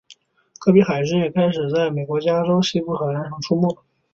个别海狮也开始在美国加州西部岛屿上出没。